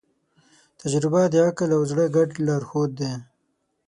تجربه د عقل او زړه ګډ لارښود دی.